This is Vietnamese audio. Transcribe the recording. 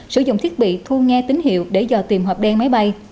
sử dụng thiết bị thu nghe tín hiệu để dò tìm hộp đen máy bay